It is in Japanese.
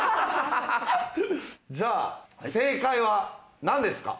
じゃあ正解は何ですか？